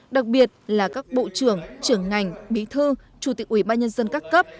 đặc biệt là các bộ trưởng trưởng ngành bí thư chủ tịch ủy ban nhân dân các cấp